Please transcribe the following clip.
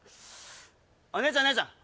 おい姉ちゃん姉ちゃん